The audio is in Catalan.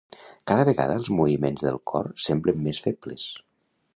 Cada vegada els moviments del cor semblen més febles